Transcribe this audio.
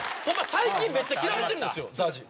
最近めっちゃ嫌われてるんですよＺＡＺＹ。